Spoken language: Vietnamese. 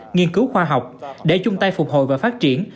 nghiên cứu khoa học để chung tay phục hồi và phát triển